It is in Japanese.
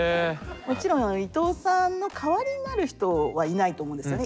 もちろん伊藤さんの代わりになる人はいないと思うんですよね。